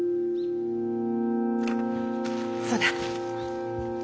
そうだ。